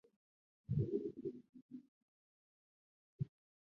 觉得有点无聊